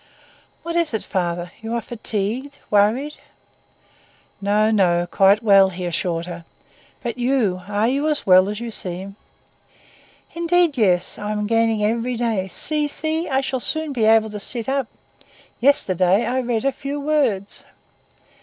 "What is it, father? You are fatigued, worried—" "No, no, quite well," he hastily assured her. "But you! are you as well as you seem?" "Indeed, yes. I am gaining every day. See! see! I shall soon be able to sit up. Yesterday I read a few words."